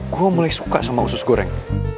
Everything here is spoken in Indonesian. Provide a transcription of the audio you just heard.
gue mulai suka sama usus goreng